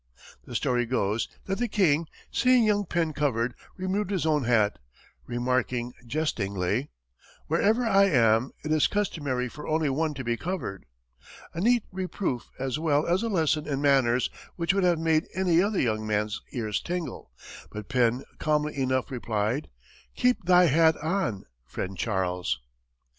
The story goes that the king, seeing young Penn covered, removed his own hat, remarking jestingly, "Wherever I am, it is customary for only one to be covered"; a neat reproof, as well as a lesson in manners which would have made any other young man's ears tingle, but Penn calmly enough replied, "Keep thy hat on, Friend Charles."